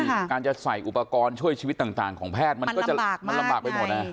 ซึ่งการจะใส่อุปกรณ์ช่วยชีวิตต่างของแพทย์มันลำบากไปหมด